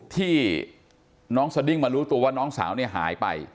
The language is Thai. ที่น้องสดิ้งมารู้ตัวว่าน้องสาวเนี่ยหายไป